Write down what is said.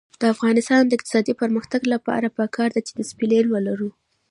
د افغانستان د اقتصادي پرمختګ لپاره پکار ده چې دسپلین ولرو.